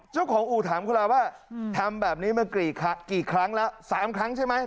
เจ้าของอู๋ถามเขาแล้วว่าอืมทำแบบนี้เมื่อกี่ครั้งสามครั้งใช่ไหม